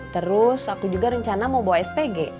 terus aku juga rencana mau bawa spg